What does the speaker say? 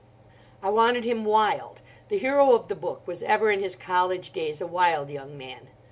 "I wanted him wild; the hero of the book was ever in his college days a wild young man.